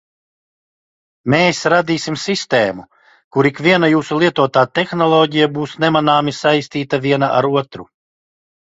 Mēs radīsim sistēmu, kur ikviena jūsu lietotā tehnoloģija būs nemanāmi saistīta viena ar otru.